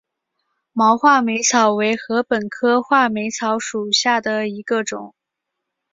毛画眉草为禾本科画眉草属下的一个种。